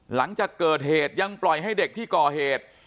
หลังจากเกิดเหตุยังปล่อยให้เด็กที่ก่อเหตุ